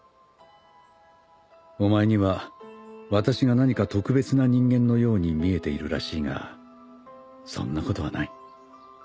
お前には私が何か特別な人間のように見えているらしいがそんなことはない。